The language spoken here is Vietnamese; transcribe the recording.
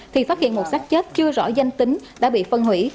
thì phát hiện một sát chết chưa rõ danh tính đã bị phân hủy